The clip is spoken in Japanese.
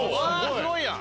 すごいやん！